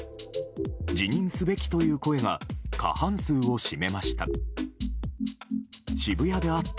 辞任すべきという声が過半数を占めました。